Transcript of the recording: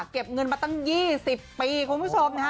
เก็บเงินมาตั้ง๒๐ปีคุณผู้ชมนะฮะ